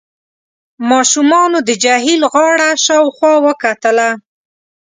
ماشومانو د جهيل غاړه شاوخوا وکتله.